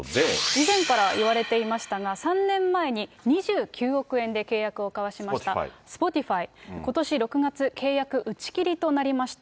以前からいわれていましたが、３年前に２９億円で契約を交わしましたスポティファイ、ことし６月、契約打ち切りとなりました。